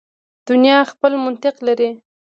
دنیا خپل منطق لري.